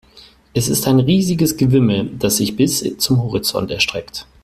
Es ist ein riesiges Gewimmel, das sich bis zum Horizont erstreckt.